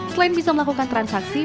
selain bisa melakukan transaksi